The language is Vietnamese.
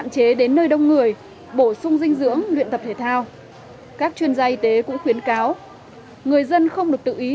chung dinh dưỡng luyện tập thể thao các chuyên gia y tế cũng khuyến cáo người dân không được tự ý